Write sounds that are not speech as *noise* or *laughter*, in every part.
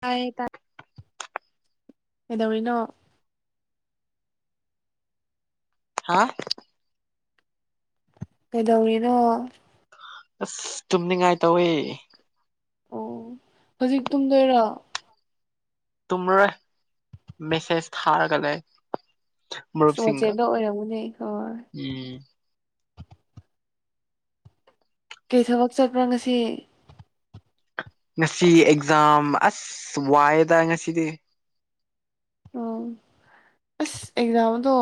ꯇꯥꯏꯌꯦ ꯇꯥꯏ ꯀꯩꯗꯧꯔꯤꯅꯣ ꯍꯥꯥ ꯀꯩꯗꯧꯔꯤꯅꯣ ꯑꯁ ꯇꯨꯝꯅꯤꯡꯉꯥꯏ ꯇꯧꯋꯦ ꯑꯣ ꯍꯧꯖꯤꯛ ꯇꯨꯝꯗꯣꯏꯔꯣ ꯇꯨꯝꯔꯣꯏ ꯃꯦꯁꯦꯖ ꯊꯥꯔꯒ ꯂꯩ ꯑꯁ ꯃꯔꯨꯞꯁꯤꯡꯒ ꯋꯥꯆꯦꯞꯇ ꯑꯣꯏꯔꯝꯒꯅꯤ ꯍꯣꯏ ꯎꯝ ꯀꯩ ꯊꯕꯛ ꯆꯠꯄ꯭ꯔꯣ ꯉꯁꯤ ꯉꯁꯤ ꯑꯦꯛꯖꯥꯝ ꯑꯁ ꯋꯥꯏꯑꯗ ꯉꯁꯤꯗꯤ ꯑꯣ ꯑꯁ ꯑꯦꯛꯖꯥꯝꯗꯣ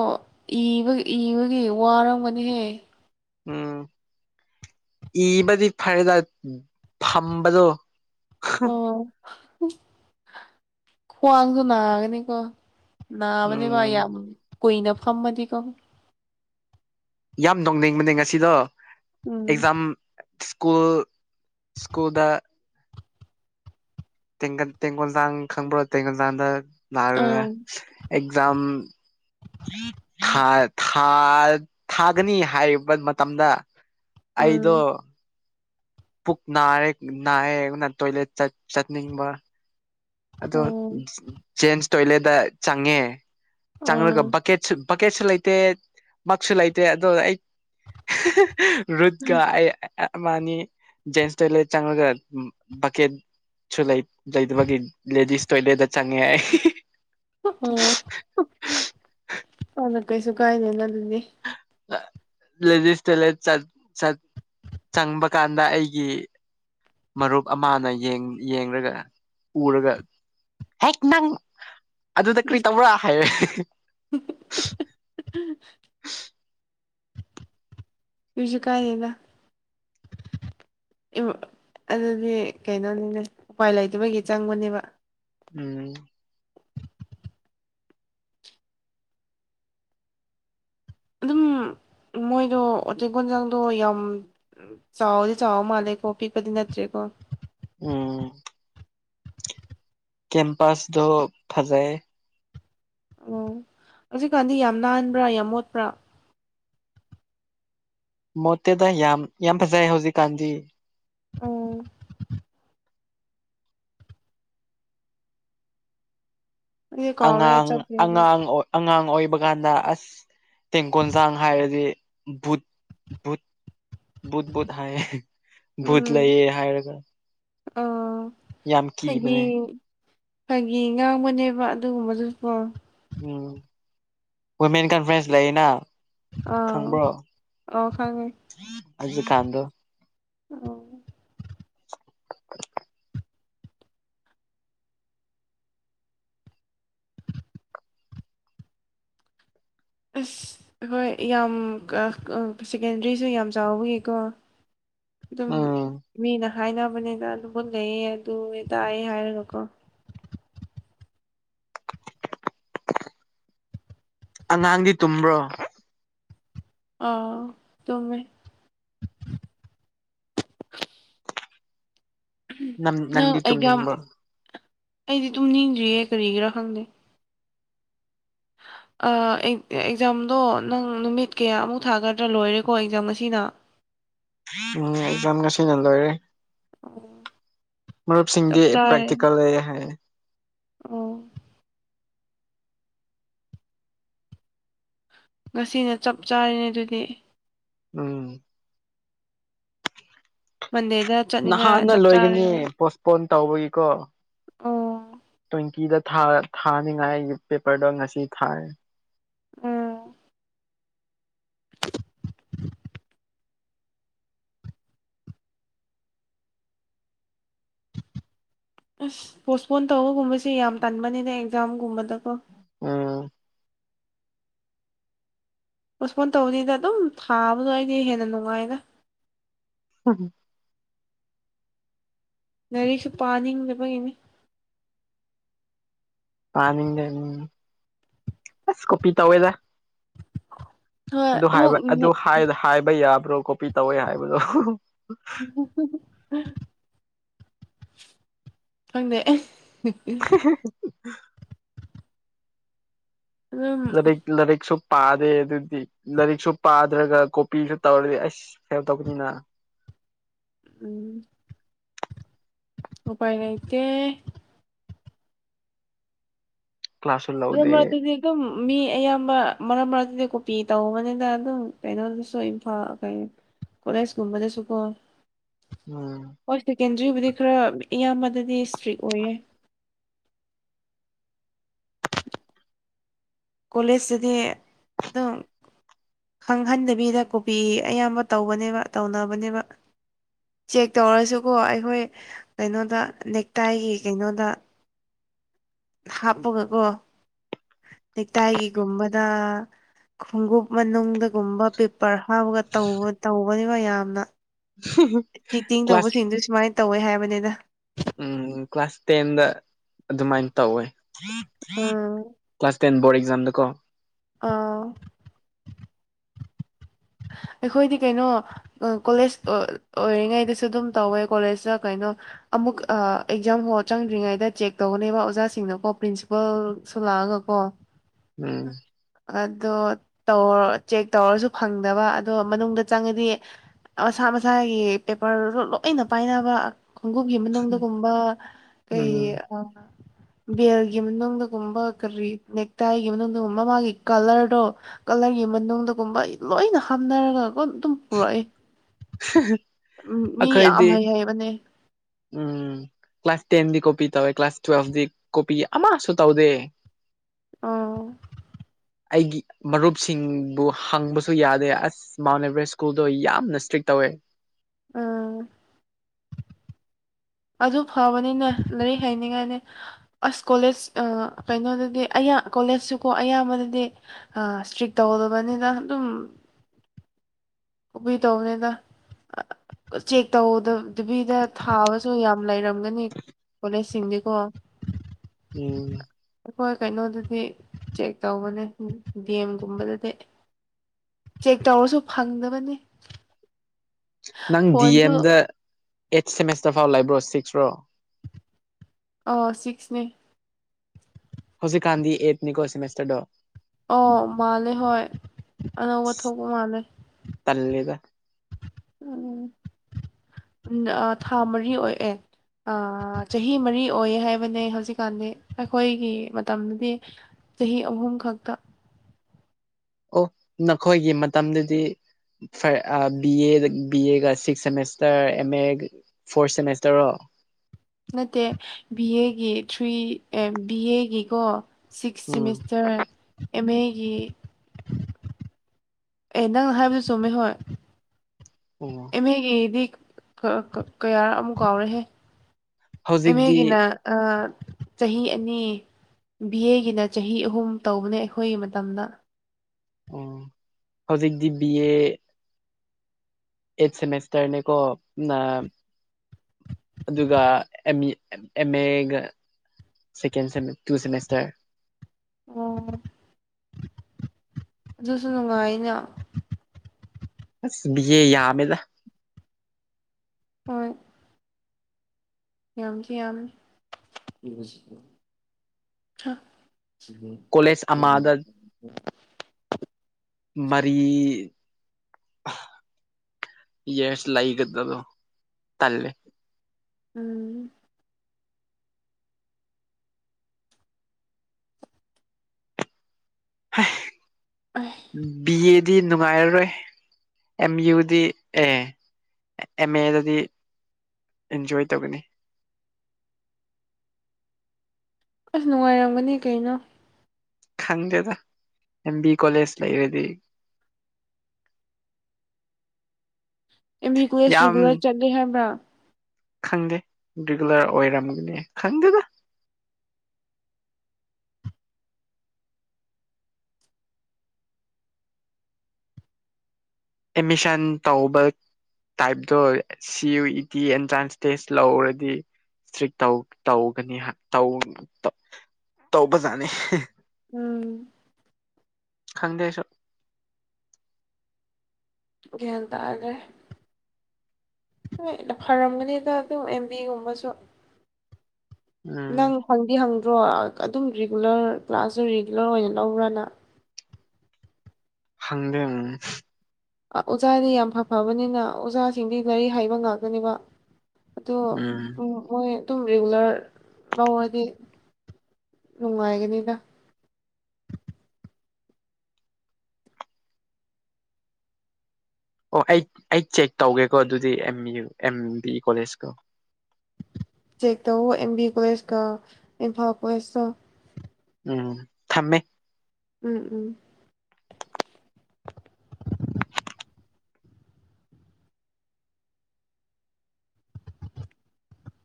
ꯏꯕ ꯏꯕꯒꯤ ꯋꯥꯔꯝꯒꯅꯤꯍꯦ ꯎꯝ ꯏꯕꯗꯤ ꯐꯔꯦꯗ ꯐꯝꯕꯗꯣ ꯈ꯭ꯋꯥꯡꯁꯨꯅꯥꯒꯅꯤꯀꯣ ꯅꯥꯕꯅꯦꯕ ꯎꯝ ꯌꯥꯝ ꯀꯨꯏꯅ ꯐꯝꯃꯗꯤ ꯀꯣ ꯌꯥꯝ ꯅꯣꯛꯅꯤꯡꯕꯅꯦ ꯉꯁꯤꯗꯣ ꯎꯝ ꯑꯦꯛꯖꯥꯝ ꯁꯀꯨ ꯁ꯭ꯀꯨꯜꯗ ꯇꯦꯡ ꯇꯦꯡꯒꯣꯟ ꯆꯥꯡ ꯈꯪꯕ꯭ꯔꯣ ꯇꯦꯡꯒꯣꯟꯜ ꯆꯥꯡꯗ ꯅꯥꯔ ꯑꯥ ꯑꯦꯛꯖꯥꯝ ꯊꯥꯒꯅꯤ ꯍꯥꯏꯔꯤꯕ ꯃꯇꯝꯗ ꯑꯩꯗꯣ ꯎꯝ ꯄꯨꯛ ꯅꯥꯔꯦ ꯅꯥꯔꯦꯅ ꯇꯣꯏꯂꯦꯠ ꯆꯠꯅꯤꯡꯕ ꯑꯗꯣ ꯑꯣ ꯖꯦꯟꯁ ꯇꯣꯏꯂꯦꯠꯇ ꯆꯪꯉꯦ ꯆꯪꯉꯒ ꯑꯥ ꯕꯛꯀꯦꯠꯁꯨ ꯄꯀꯦꯠꯁꯨ ꯂꯩꯇꯦ ꯃꯛꯁꯨ ꯂꯩꯇꯦ ꯑꯗꯨ ꯑꯩ ꯔꯨꯗꯒ ꯑꯃꯅꯤꯅꯤ ꯖꯦꯟꯁ ꯇꯣꯏꯂꯦꯠ ꯆꯪꯉꯒ ꯕꯛꯀꯦꯠꯁꯨ ꯂꯩ ꯂꯩꯇꯕꯒꯤ ꯂꯦꯗꯤꯁ ꯇꯣꯏꯂꯦꯠꯗ ꯆꯪꯉꯦ ꯑꯩ ꯎ ꯑꯗ ꯀꯩꯁꯨ ꯀꯥꯏꯗꯦꯗ ꯑꯗꯨꯗꯤ ꯂꯦꯗꯤꯁ ꯇꯦꯂꯦꯠ ꯆꯪꯕ ꯀꯥꯟꯗ ꯑꯩꯒꯤ ꯃꯔꯨꯞ ꯑꯃꯅ ꯌꯦꯡꯂꯡꯒ ꯎꯔꯒ ꯍꯦꯛ ꯅꯪ ꯑꯗꯨꯗ ꯀꯔꯤ ꯇꯧꯕꯔ꯭ꯔꯥ ꯍꯥꯏꯌꯦ *unintelligible* ꯀ꯭ꯔꯤꯁꯨ ꯀꯥꯏ ꯗꯦꯗ *inaudible* ꯑꯗꯨꯗꯤ ꯀꯩꯅꯣꯅꯤꯅꯦ ꯎꯄꯥꯏ ꯂꯩꯇꯕꯒꯤ ꯆꯪꯕꯅꯦꯕ ꯎꯝ ꯑꯗꯨꯝ *inaudible* ꯃꯣꯏꯗꯣ ꯎꯖꯦꯛꯒꯣꯟꯖꯥꯡꯗꯣ ꯌꯥꯝ ꯆꯥꯎꯗꯤ ꯆꯥꯎꯕ ꯃꯥꯜꯂꯦꯀꯣ ꯄꯤꯛꯄꯗꯤ ꯅꯠꯇ꯭ꯔꯦꯀꯣ ꯎꯝ ꯀꯦꯝꯄꯁꯗꯣ ꯐꯖꯩꯌꯦ ꯑꯣ ꯍꯧꯖꯤꯛꯀꯥꯟꯗꯤ ꯌꯥꯝ ꯅꯥꯟꯕ꯭ꯔꯥ ꯌꯥꯝ ꯃꯣꯠꯄ꯭ꯔꯥ ꯃꯣꯠꯇꯦꯗ ꯌꯥꯝ ꯌꯥꯝ ꯐꯖꯩꯏ ꯍꯧꯖꯤꯛ ꯀꯥꯟꯗꯤ ꯎꯝ ꯑꯩꯗꯤ ꯀꯥꯎꯔꯦ ꯑꯉꯥꯡ ꯆꯠꯇ꯭ꯔꯦꯕ ꯑꯉꯥꯡ ꯑꯣꯏ ꯑꯉꯥꯡ ꯑꯣꯏꯕ ꯀꯥꯟꯗ ꯑꯁ ꯇꯦꯡꯀꯣꯟꯖꯥꯡ ꯍꯥꯏꯔꯗꯤ ꯕꯨꯠ ꯕꯨꯠ ꯨꯚꯨꯠ ꯚꯨꯠ ꯍꯥꯏ ꯌꯦ ꯚꯨꯠ ꯎꯝ ꯂꯩ ꯍꯥꯏꯔꯒ ꯑꯥ ꯌꯥꯝ ꯐꯥꯒꯤ ꯀꯤꯕꯅꯦ ꯐꯥꯒꯤ ꯉꯥꯡꯕꯅꯦꯕ ꯑꯗꯨꯒꯨꯝꯕꯗꯨꯀꯣ ꯎꯝ ꯋꯨꯃꯦꯟ ꯀꯟꯐꯔꯦꯟꯁ ꯂꯩꯌꯦꯅ ꯑ ꯈꯪꯕ꯭ꯔꯣ ꯑꯣ ꯈꯪꯉꯦ ꯑꯩꯒꯤ ꯀꯥꯟꯗꯣ ꯑꯣ ꯑꯁ ꯍꯣꯏ ꯌꯥꯝ ꯁꯦꯀꯦꯟꯗ꯭ꯔꯤꯁꯨ ꯌꯥꯝ ꯆꯥꯎꯕꯒꯤꯀꯣ *inaudible* ꯑꯗꯨꯝ ꯎꯝ ꯃꯤꯅ ꯍꯥꯏꯅꯕꯅꯦꯅ ꯑꯗꯨꯝ ꯚꯨꯠ ꯂꯩꯌꯦ ꯑꯗꯨ ꯇꯥꯏꯌꯦ ꯍꯥꯏꯔꯒꯀꯣ ꯑꯉꯥꯡꯗꯤ ꯇꯨꯝꯕ꯭ꯔꯣ ꯑꯥ ꯇꯨꯝꯃꯦ ꯅꯪ ꯅꯪꯗꯤ ꯇꯨꯝꯅꯤꯡꯕꯔꯣ ꯑꯩꯗꯤ ꯑꯗꯨꯨꯝ ꯅꯤꯗ꯭ꯔꯤꯌꯦ ꯀꯔꯤꯒꯤꯔꯥ ꯈꯪꯗꯦ *inaudible* ꯑꯦꯛꯖꯥꯝꯗꯣ ꯅꯪ ꯅꯨꯃꯤꯠ ꯀꯌꯥꯃꯨꯛ ꯊꯥꯒꯗ꯭ꯔꯥ ꯂꯣꯏꯔꯦꯀꯣ ꯑꯦꯛꯖꯥꯝ ꯉꯁꯤꯅ ꯎꯝ ꯑꯦꯖꯥꯝ ꯉꯥꯁꯤꯅ ꯂꯣꯏꯔꯦ ꯑꯣ ꯃꯔꯨꯞꯁꯤꯡꯗꯤ ꯆꯞ ꯆꯥꯔꯦꯅꯦ ꯄ꯭ꯔꯦꯛꯇꯤꯀꯦꯜ ꯂꯩꯌꯦ ꯍꯥꯏꯌꯦ ꯑꯣ ꯉꯁꯤꯅ ꯆꯞ ꯆꯥꯔꯦꯅꯦ ꯑꯗꯨꯗꯤ ꯎꯝ ꯃꯟꯗꯦꯗ ꯆꯠꯅꯤꯡꯉꯥꯏ ꯅꯍꯥꯟꯅ ꯆꯞ ꯂꯣꯏꯒꯅꯤ ꯆꯥꯔꯦꯕ ꯄꯣꯁꯄꯣꯟ ꯇꯧꯕꯩꯏꯀꯣ ꯑꯣ ꯀꯤꯗ ꯊꯥꯔ ꯊꯥꯅꯤꯡꯉꯥꯏ ꯄꯦꯄꯔꯗꯣ ꯉꯁꯤ ꯊꯥꯏ ꯎꯝ ꯑꯁ ꯄꯣꯁꯄꯣꯟ ꯇꯧꯕꯒꯨꯝꯕꯁꯦ ꯌꯥꯝ ꯇꯟꯕꯅꯤꯅꯦ ꯑꯦꯛꯖꯥꯝꯒꯨꯝꯕꯗꯀꯣ ꯎꯝ ꯄꯣꯁꯄꯣꯟ ꯇꯧꯅꯤꯗ ꯑꯗꯨꯝ ꯊꯥꯕꯗꯣ ꯑꯩꯗꯤ ꯍꯦꯟꯅ ꯅꯨꯡꯉꯥꯏꯗ *unintelligible* ꯂꯥꯏꯔꯤꯛꯁꯨ ꯄꯥꯅꯤꯡꯗꯕꯩꯅꯤ ꯄꯥꯅꯤꯡꯗꯦꯃꯤ ꯑꯁ ꯀꯣꯄꯤ ꯇꯧꯋꯦꯗꯥ ꯍꯣꯏ ꯑꯗꯨ ꯍꯥꯏꯕ ꯑꯗꯨ ꯑꯃꯨꯛ ꯍꯥꯏꯕ ꯍꯥꯏꯕ ꯌꯥꯕ꯭ꯔꯣ ꯀꯣꯄꯤ ꯇꯧꯋꯦ ꯍꯥꯏꯕꯗꯣ ꯈꯪꯗꯦ ꯍ ꯍꯦ ꯑꯗꯨꯝ ꯂꯔꯤꯛ ꯂꯔꯤꯛꯁꯨ ꯄꯥꯗꯦ ꯑꯗꯨꯗꯤ ꯂꯥꯏꯔꯤꯛꯁꯨ ꯄꯥꯗ꯭ꯔꯒ ꯀꯣꯄꯤꯖꯨ ꯇꯧꯔꯗꯤ ꯑꯁ ꯐꯦꯜ ꯇꯧꯒꯅꯤꯅꯥ ꯎꯝ ꯎꯄꯥꯏ ꯂꯩꯇꯦ ꯀ꯭ꯂꯥꯁꯁꯨ ꯅꯣꯏ ꯂꯧꯗꯦ ꯃꯥꯗꯨꯗꯤ ꯑꯗꯨꯝ ꯃꯤ ꯑꯌꯥꯝꯕ ꯃꯔꯛ ꯃꯔꯛꯇꯗꯤ ꯀꯣꯄꯤ ꯇꯧꯕꯅꯤꯗ ꯑꯗꯨꯝ ꯀꯩꯅꯣꯗꯁꯨ ꯏꯝꯐꯥꯜ ꯀꯩ ꯀꯣꯂꯦꯖ ꯀꯨꯝꯕꯗꯁꯨꯀꯣ ꯑꯥ ꯑꯦꯟꯇ꯭ꯔꯤꯕꯨꯗꯤ ꯈꯔ ꯏꯌꯥꯝꯕꯗꯗꯤ ꯏꯁꯇ꯭ꯔꯤꯛ ꯑꯣꯏꯌꯦ ꯀꯣꯂꯦꯖ ꯇꯗꯤ ꯑꯗꯨꯝ ꯈꯪꯍꯟꯗꯕꯤꯗ ꯀꯣꯄꯤ ꯑꯌꯥꯝꯕ ꯇꯧꯕꯅꯦꯕꯥ ꯇꯧꯅꯕꯅꯦꯕꯥ ꯆꯦꯛ ꯇꯧꯔꯁꯨꯀꯣ ꯑꯩꯈꯣꯏ ꯀꯩꯅꯣꯗ ꯅꯦꯛꯇꯥꯏꯒꯤ ꯀꯩꯅꯣꯗ ꯍꯥꯞꯄꯒꯀꯣ ꯅꯦꯛ ꯇꯥꯏꯒꯤꯒꯨꯝꯕꯗ ꯈꯣꯡꯒꯨꯞ ꯃꯅꯨꯡꯗꯒꯨꯝꯕ ꯄꯦꯄꯔ ꯍꯥꯞꯄꯒ ꯇꯧꯕ ꯇꯧꯕꯅꯦꯕ ꯌꯥꯝꯅ ꯆꯤꯇꯤꯡ ꯀ꯭ꯂꯥꯁ ꯇꯧꯕꯁꯤꯡꯗꯨ ꯁꯨꯃꯥꯏꯅ ꯇꯧꯋꯦ ꯍꯥꯏꯕꯅꯤꯗꯥ ꯎꯝ ꯀ꯭ꯂꯥꯁ ꯇꯦꯟꯗ ꯑꯗꯨꯃꯥꯏꯅ ꯇꯧꯋꯦ ꯑꯥ ꯀ꯭ꯂꯥꯁ ꯇꯦꯟ ꯕꯣꯔꯗ ꯑꯦꯛꯖꯥꯝꯗꯀꯣ ꯑꯥ *inaudible* ꯑꯩꯈꯣꯏꯗꯤ ꯀꯩꯅꯣ ꯑ ꯀꯣꯂꯦꯖ ꯑ ꯑꯣꯏꯔꯤꯉꯩꯗꯁꯨ ꯑꯗꯨꯝ ꯇꯧꯋꯦ ꯀꯣꯂꯦꯖꯇ ꯀꯩꯅꯣ ꯑꯃꯨꯛ ꯑꯥ ꯑꯦꯛꯖꯥꯝ ꯍꯣꯜ ꯆꯪꯗ꯭ꯔꯤꯉꯩꯗ ꯆꯦꯛ ꯇꯧꯒꯅꯦꯕ ꯑꯣꯖꯥꯁꯤꯡꯅꯀꯣ ꯄ꯭ꯔꯤꯟꯁꯤꯄꯜꯁꯨ ꯂꯥꯛꯑꯒꯀꯣ ꯎꯝ ꯑꯗꯣ ꯇꯧꯔ ꯆꯦꯛ ꯇꯧꯔꯁꯨ ꯐꯪꯗꯕ ꯑꯗꯣ ꯃꯅꯨꯡꯗ ꯆꯪꯉꯗꯤ ꯃꯁꯥ ꯃꯁꯥꯒꯤ ꯄꯦꯄꯔꯗꯨ ꯂꯣꯏꯅ ꯄꯥꯏꯅꯕ ꯈꯣꯡꯒꯨꯞꯒꯤ ꯃꯅꯨꯡꯗꯒꯨꯝꯕ ꯀꯩ ꯎꯝ ꯑꯥ ꯕꯦꯜꯒꯤ ꯃꯅꯨꯡꯗꯒꯨꯝꯕ ꯀꯔꯤ ꯅꯦꯛꯇꯥꯏꯒꯤ ꯃꯅꯨꯡꯗꯒꯨꯝꯕ ꯃꯥꯒꯤ ꯀꯂꯔꯗꯣ ꯀ ꯀꯂꯔꯒꯤ ꯃꯅꯨꯡꯗꯒꯨꯝꯕ ꯂꯣꯏꯅ ꯍꯥꯞꯅꯔꯒꯒꯣ ꯑꯗꯨꯝ ꯄꯨꯔꯛꯑꯦ ꯑ ꯃꯤ ꯌꯥꯝ ꯑꯩꯈꯣꯏꯗꯤ ꯍꯩ ꯍꯩꯕꯅꯦ ꯎꯝ ꯀ꯭ꯂꯥꯁ ꯇꯦꯟꯗꯤ ꯀꯣꯄꯤ ꯇꯧꯌꯦ ꯀ꯭ꯂꯥꯁ ꯇꯨꯋꯦꯜꯐꯗꯤ ꯀꯣꯄꯤ ꯑꯃꯥꯁꯨ ꯇꯧꯗꯦ *inaudible* ꯑꯥ ꯑꯩꯒꯤ ꯃꯔꯨꯞꯁꯤꯡꯕꯨ ꯍꯪꯕꯁꯨ ꯌꯥꯗꯦ ꯑꯁ ꯃꯥꯎꯟ ꯑꯦꯕ꯭ꯔꯦꯁ ꯁ꯭ꯀꯨꯜꯗꯣ ꯌꯥꯝꯅ ꯁꯇ꯭ꯔꯤꯛ ꯇꯧꯋꯦ ꯑꯥ ꯑꯗꯨ ꯐꯕꯅꯤꯅꯦ ꯂꯥꯏꯔꯤꯛ ꯍꯩꯅꯤꯡꯉꯥꯏꯅꯦ ꯑꯁ ꯀꯣꯂꯦꯖ ꯑ ꯀꯩꯅꯣꯗꯗꯤ ꯑꯩꯌ ꯩꯅ ꯀꯣꯂꯦꯖꯁꯨꯀꯣ ꯑꯌꯥꯝꯕꯅꯗꯤ ꯑ ꯏꯁꯇ꯭ꯔꯤꯛ ꯇꯧꯗꯕꯅꯤꯅ ꯑꯗꯨꯝ *inaudible* ꯀꯣꯕꯤ ꯇꯧꯕꯅꯦꯗ ꯑ ꯆꯦꯛ ꯇꯧꯗꯕꯤꯗ ꯊꯥꯕꯁꯨ ꯌꯥꯝ ꯂꯩꯔꯝꯒꯅꯤ ꯀꯣꯂꯦꯖ ꯁꯤꯡꯗꯤꯀꯣ ꯎꯝ ꯑꯩꯈꯣꯏ ꯀꯩꯅꯣꯗꯗꯤ ꯆꯦꯛ ꯇꯧꯕꯅꯦ ꯗꯦꯝꯒꯨꯝꯕꯗꯗꯤ ꯆꯦꯛ ꯇꯧꯔꯁꯨ ꯐꯪꯗꯕꯅꯤ ꯅꯪ ꯗꯤ ꯐꯣꯟꯁꯨ ꯑꯦꯝꯗ ꯑꯩꯠ ꯁꯦꯃꯦꯁꯇꯔ ꯐꯥꯎ ꯂꯩꯕ꯭ꯔꯣ ꯁꯤꯛꯁꯔꯣ ꯑ ꯁꯤꯛꯁꯅꯦ ꯍꯧꯖꯤꯛꯀꯥꯟꯗꯤ ꯑꯦꯠꯅꯤꯀꯣ ꯁꯤꯃꯤꯁꯇꯔꯗꯣ ꯑꯣ ꯃꯥꯜꯂꯦ ꯍꯣꯏ ꯑꯅꯧꯕ ꯑꯁ ꯊꯣꯛꯄ ꯃꯥꯜꯂꯦ ꯇꯜꯂꯦꯗ ꯎꯝ ꯑ ꯊꯥ ꯃꯔꯤ ꯑꯣꯏꯑꯦ ꯑ ꯆꯍꯤ ꯃꯔꯤ ꯑꯣꯏꯌꯦ ꯍꯥꯏꯕꯅꯦ ꯍꯧꯖꯤꯛꯀꯥꯟꯗꯤ ꯑꯩꯈꯣꯏꯒꯤ ꯃꯇꯝꯗꯗꯤ ꯆꯍꯤ ꯑꯍꯨꯝ ꯈꯛꯇ *inaudible* ꯑꯣ ꯅꯈꯣꯏꯒꯤ ꯃꯇꯝꯗꯗꯤ ꯐꯔ ꯑ ꯕꯤ ꯑꯦ ꯗꯒꯤ ꯕꯤ ꯑꯦꯒ six semester M A four ꯁꯦꯃꯦꯁꯇꯔꯔꯣ *inaudible* ꯅꯠꯇꯦ ꯕꯤ ꯑꯦꯒꯤ ꯊ꯭ꯔꯤ ꯑ ꯕꯤ ꯑꯦꯒꯤꯀꯣ ꯁꯤꯛꯁ ꯎꯝ ꯁꯤꯃꯤꯁꯇꯔ ꯑꯦꯝ ꯑꯦꯒꯤ ꯑꯦ ꯅꯪ ꯍꯥꯏꯕꯗꯣ ꯆꯨꯝꯃꯦ ꯍꯣꯏ ꯑꯣ ꯑꯦꯝ ꯑꯦꯒꯤꯗꯤ ꯀ ꯀ ꯀꯌꯥꯔ ꯑꯃꯨꯛ ꯀꯥꯎꯔꯦꯍꯦ ꯑꯦꯝ ꯍꯧꯖꯤꯛꯇꯤ ꯑꯦꯒꯤꯅ ꯑ ꯆꯍꯤ ꯑꯅꯤ ꯕꯤ ꯑꯦꯒꯤꯅ ꯆꯍꯤ ꯑꯍꯨꯝ ꯇꯧꯕꯅꯦ ꯑꯩꯈꯣꯏꯒꯤ ꯃꯇꯝꯗ ꯑꯣ ꯍꯧꯖꯤꯛꯗꯤ ꯕꯤ ꯑꯦ ꯑꯩꯠ ꯁꯦꯃꯦꯁꯇꯔꯅꯦꯀꯣ ꯎꯅꯞ ꯑꯗꯨꯒ ꯑꯦꯝꯃꯤ ꯑꯦꯝ ꯑꯦꯒ ꯁꯦꯀꯦꯟ ꯁꯦꯃꯦ ꯇꯨ ꯁꯦꯃꯤꯁꯇꯔ ꯑꯣ ꯑꯗꯨꯁꯨ ꯅꯨꯡꯉꯥꯏꯅ ꯑꯁ ꯕꯤ ꯑꯦ ꯌꯥꯝꯃꯦꯗ ꯍꯣꯏ ꯌꯥꯝꯗꯤ ꯌꯥꯝꯃꯦ ꯍ ꯁꯤꯗꯤ ꯀꯣꯂꯦꯖ ꯑꯃꯗ *unintelligible* ꯃꯔꯤ ꯌꯦꯁ ꯂꯩꯥꯒꯗꯕꯗꯣ ꯇꯜꯂꯦ ꯎꯝ ꯍꯦ ꯑꯁ ꯕꯤ ꯑꯦꯗꯤ ꯅꯨꯡꯉꯥꯏꯔꯔꯣꯏ ꯑꯦꯝ ꯌꯨꯗꯤ ꯑꯦ ꯑꯦꯝ ꯑꯦꯗꯗꯤ ꯑꯦꯟꯖꯣꯏ ꯇꯧꯒꯅꯤ ꯑꯁ ꯅꯨꯡꯉꯥꯏꯔꯝꯒꯅꯤ ꯀꯩꯅꯣ ꯈꯪꯗꯦꯗ ꯑꯦꯝ ꯕꯤ ꯀꯣꯂꯦꯖ ꯂꯩꯔꯗꯤ *inaudible* ꯑꯦ ꯕꯤ ꯀꯣꯂꯦꯖ ꯌꯥꯝ ꯔꯤꯒꯨꯂꯔ ꯆꯠꯂꯤ ꯍꯥꯏꯕ꯭ꯔꯥ ꯈꯪꯗꯦ ꯔꯤꯒꯨꯂꯔ ꯑꯣꯏꯔꯝꯒꯅꯤ ꯈꯪꯗꯦꯗ ꯑꯦꯠꯃꯤꯁꯟ ꯇꯧꯕ ꯇꯥꯏꯞꯇꯣ C U E T entrance test ꯂꯧꯔꯗꯤ ꯏꯁꯇ꯭ꯔꯤꯛ ꯇꯧ ꯇꯧꯒꯅꯤ ꯇꯧ ꯇꯧ ꯇꯧꯕꯖꯥꯠꯅꯦ ꯎꯝ ꯈꯪꯗꯦ ꯑꯩꯁꯨ ꯒꯌꯥꯟ ꯇꯥꯗꯦ ꯍꯣꯏ ꯐꯔꯝꯒꯅꯤꯗ ꯑꯗꯨ ꯑꯦꯝ ꯕꯤ ꯑꯦꯒꯨꯝꯕꯁꯨ ꯎꯝ ꯅꯪ ꯍꯪꯗꯤ ꯍꯪ ꯭ꯔꯣ ꯑꯗꯨꯝ ꯔꯤꯒꯨꯂꯔ ꯀ꯭ꯂꯥꯁꯁꯨ ꯔꯤꯒꯨꯂꯔ ꯑꯣꯏꯅ ꯂꯧꯕ꯭ꯔꯅ ꯍꯪꯒꯦ ꯎꯝ ꯑ ꯑꯣꯖꯥꯗꯤ ꯌꯥꯝ ꯐ ꯐꯕꯅꯤꯅ ꯑꯣꯖꯥꯁꯤꯡꯗꯤ ꯂꯥꯏꯔꯤ ꯍꯥꯢꯕ ꯉꯥꯛꯇꯅꯦꯕ ꯑꯗꯣ ꯎꯝ ꯃꯣꯏ ꯑꯗꯨꯝ ꯔꯤꯒꯨꯂꯔ ꯂꯧꯔꯗꯤ ꯅꯨꯡꯉꯥꯏꯒꯅꯤꯗ ꯑꯣ ꯑꯩ ꯑꯩ ꯆꯦꯛ ꯇꯧꯒꯦꯀꯣ ꯑꯗꯨꯗꯤ ꯑ ꯌꯨ ꯑꯦꯝ ꯕꯤ ꯀꯣꯂꯦꯖꯇꯣ ꯆꯦꯛ ꯇꯧꯋꯣ ꯑꯦꯝ ꯕꯤ ꯀꯣꯂꯦꯖꯀ ꯏꯝꯐꯥꯜ ꯀꯣꯂꯦꯖꯇꯣ ꯎꯝ ꯊꯝꯃꯦ ꯎꯝ ꯎꯝ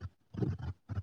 *inaudible*